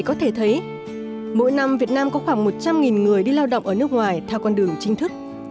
có thể thấy mỗi năm việt nam có khoảng một trăm linh người đi lao động ở nước ngoài theo con đường chính thức